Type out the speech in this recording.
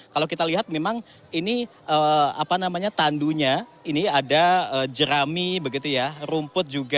kalau kita lihat memang ini tandunya ini ada jerami begitu ya rumput juga